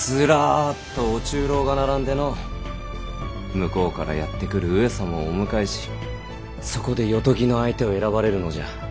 向こうからやって来る上様をお迎えしそこで夜伽の相手を選ばれるのじゃ。